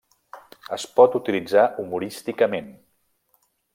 Es pot utilitzar humorísticament.